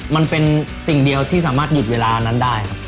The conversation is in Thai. มันเป็นสิ่งเดียวที่สามารถหยุดเวลานั้นได้ครับ